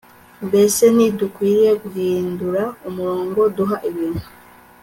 Mbese ntidukwiriye guhindura umurongo duha ibintu